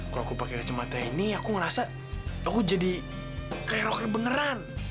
kalau aku pakai kacamata ini aku ngerasa aku jadi kayak rocky beneran